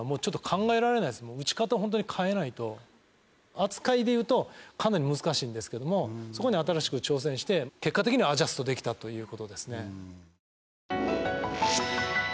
扱いでいうとかなり難しいんですけどもそこに新しく挑戦して結果的にアジャストできたという事ですね。